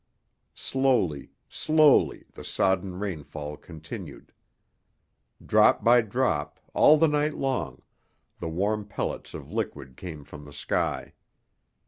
Slowly, slowly, the sodden rainfall continued. Drop by drop, all the night long, the warm pellets of liquid came from the sky.